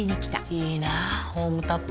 いいなホームタップ。